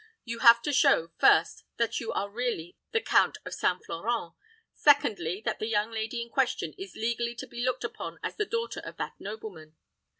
You have to show, first, that you are really the Count of St. Florent; secondly, that the young lady in question is legally to be looked upon as the daughter of that nobleman.